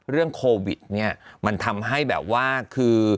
เรื่องโควิดเนี่ยมันทำให้แบบว่าคือ